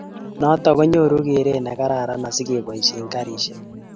noto konyoru gereet negararan asigeboishe karishek